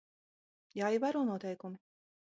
Jāievēro noteikumi.